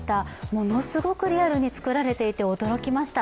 ものすごくリアルにつくられていて驚きました。